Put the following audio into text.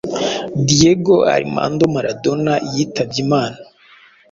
Diego Armando Maradona, yitabye Imana